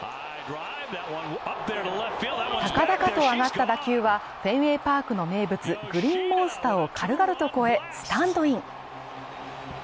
高々と上がった打球は、フェンウェイパークの名物グリーンモンスターを軽々と超え、スタンドイン。